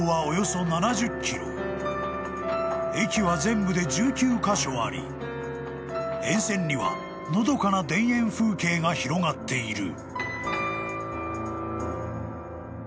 ［駅は全部で１９カ所あり沿線にはのどかな田園風景が広がっている］